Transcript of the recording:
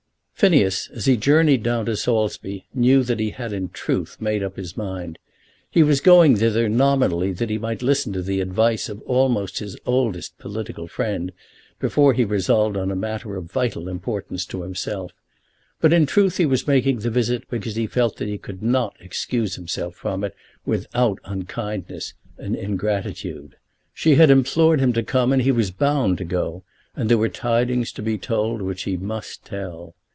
Phineas, as he journeyed down to Saulsby, knew that he had in truth made up his mind. He was going thither nominally that he might listen to the advice of almost his oldest political friend before he resolved on a matter of vital importance to himself; but in truth he was making the visit because he felt that he could not excuse himself from it without unkindness and ingratitude. She had implored him to come, and he was bound to go, and there were tidings to be told which he must tell.